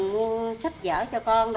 mua sách vở cho con rồi